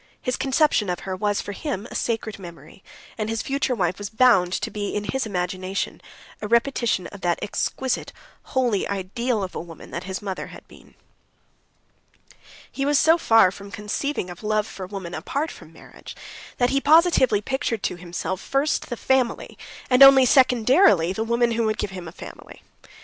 His conception of her was for him a sacred memory, and his future wife was bound to be in his imagination a repetition of that exquisite, holy ideal of a woman that his mother had been. He was so far from conceiving of love for woman apart from marriage that he positively pictured to himself first the family, and only secondarily the woman who would give him a family.